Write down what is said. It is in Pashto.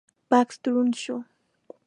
بکس دروند شو: